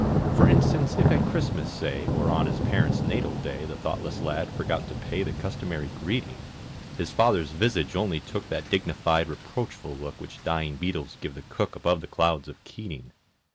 For instance, if at Christmas (say) Or on his parent's natal day The thoughtless lad forgot to pay The customary greeting, His father's visage only took That dignified reproachful look Which dying beetles give the cook Above the clouds of Keating.